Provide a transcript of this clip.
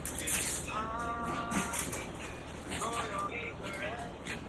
阿沃耶尔县是位于美国路易斯安那州中部的一个县。